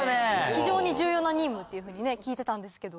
非常に重要な任務っていうふうにね聞いてたんですけど。